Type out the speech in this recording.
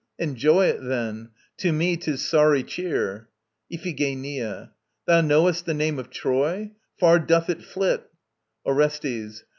Enjoy it, then. To me 'tis sorry cheer. IPHIGENIA. Thou knowest the name of Troy? Far doth it flit. ORESTES.